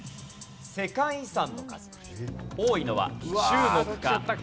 世界遺産の数多いのは中国か？